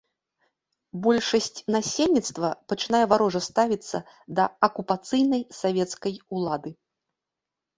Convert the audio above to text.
Большасць насельніцтва пачынае варожа ставіцца да акупацыйнай савецкай улады.